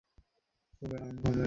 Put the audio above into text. খুব কাছাকাছি গেছ, যদিও।